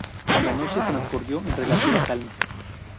La noche transcurrió en relativa calma.